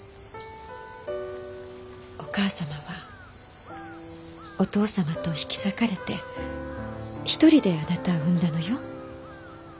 お母様はお父様と引き裂かれて一人であなたを産んだのよ。